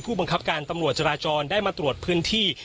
บังคับการตำรวจจราจรได้มาตรวจพื้นที่